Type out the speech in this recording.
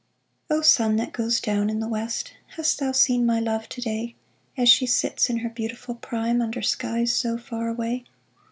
O sun that goes down in the West, Hast thou seen my love to day, As she sits in her beautiful prime Under skies so far away